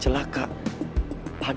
kerjain aja dong